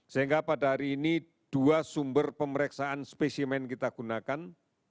sehingga pada hari ini dua sumber pemeriksaan spesimen kita gunakan